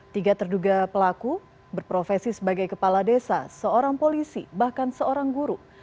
tiga terduga pelaku berprofesi sebagai kepala desa seorang polisi bahkan seorang guru